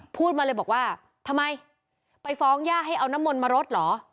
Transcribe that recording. พูดมาเลยบอกว่าทำไมไปฟ้องย่าให้เอาน้ำมนต์มารดเหรอ